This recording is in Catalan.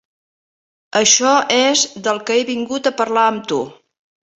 Això és del que he vingut a parlar amb tu.